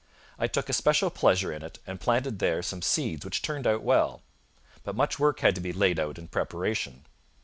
I took especial pleasure in it and planted there some seeds which turned out well. But much work had to be laid out in preparation.